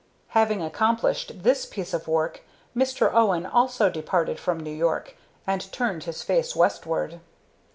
Having accomplished this piece of work, Mr. Owen also departed from New York, and turned his face westward.